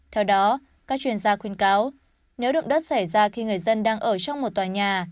theo đó các chuyên gia khuyên cáo nếu động đất xảy ra khi người dân đang ở trong một tòa nhà